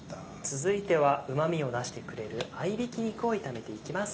続いてはうま味を出してくれる合いびき肉を炒めていきます。